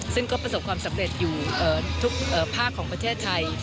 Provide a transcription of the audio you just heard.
ซึ่งก็ประสบความสำเร็จอยู่ทุกภาคของประเทศไทย